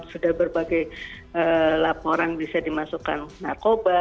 sudah berbagai laporan bisa dimasukkan narkoba